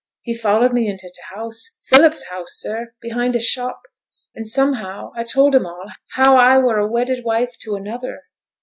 He followed me into t' house Philip's house, sir, behind t' shop and somehow I told him all, how I were a wedded wife to another.